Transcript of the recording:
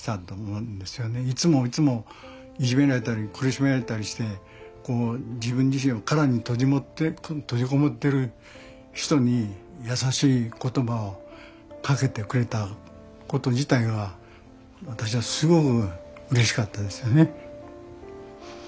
いつもいつもいじめられたり苦しめられたりして自分自身の殻に閉じこもってる人に優しい言葉をかけてくれたこと自体が私はすごくうれしかったですよね。